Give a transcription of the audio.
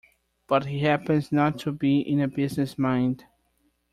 But he happens not to be in a business mind.